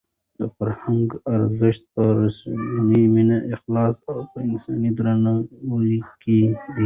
د فرهنګ ارزښت په رښتونې مینه، اخلاص او په انساني درناوي کې دی.